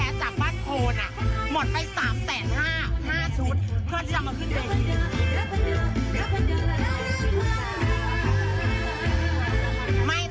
เพื่อนที่จะเอาชุดผ้าใหม่เพราะร้านที่หนูทำสิทธิ์ประมาณ๓๒๕๐๐ธุ์